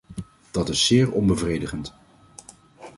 Dat is zeer onbevredigend.